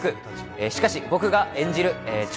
しかし、僕が演じる遅刻